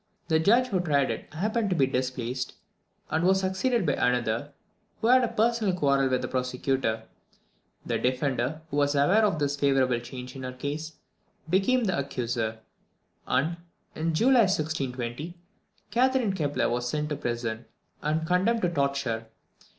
The judge who tried it happened to be displaced, and was succeeded by another, who had a personal quarrel with the prosecutor. The defender, who was aware of this favourable change in her case, became the accuser, and, in July 1620, Catherine Kepler was sent to prison, and condemned to the torture.